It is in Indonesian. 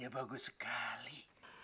ide bagus sekali